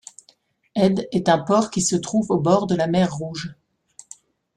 Édd est un port qui se trouve au bord de la mer Rouge.